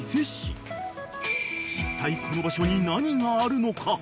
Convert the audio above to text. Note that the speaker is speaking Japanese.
［いったいこの場所に何があるのか］